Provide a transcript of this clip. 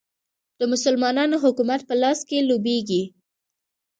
د مسلمانانو حکومت په لاس کې لوبیږي.